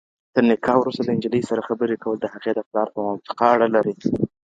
ترنکاح وروسته د نجلۍ سره خبري کول دهغې دپلار په موافقه اړه لري.